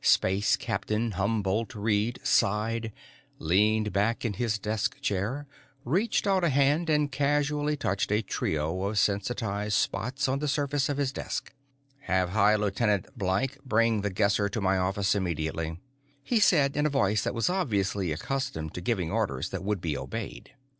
Space Captain Humbolt Reed sighed, leaned back in his desk chair, reached out a hand, and casually touched a trio of sensitized spots on the surface of his desk. "Have High Lieutenant Blyke bring The Guesser to my office immediately," he said, in a voice that was obviously accustomed to giving orders that would be obeyed.